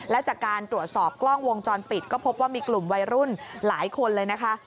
และจากการตรวจสอบกล้องวงจรปิดก็พบว่ามีกลุ่มวัยรุ่นหลายคนเลยนะคะ